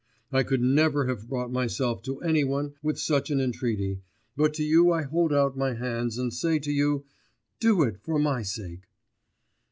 I could never have brought myself to any one with such an entreaty, but to you I hold out my hands and say to you, do it for my sake.